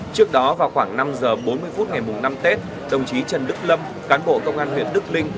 trước đó vào khoảng năm giờ bốn mươi phút ngày năm tết đồng chí trần đức lâm cán bộ công an huyện đức linh